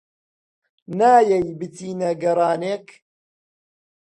نایەی بچینە گەڕانێک؟